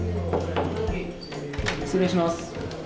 失礼します。